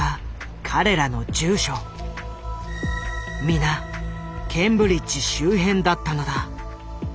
皆ケンブリッジ周辺だったのだ。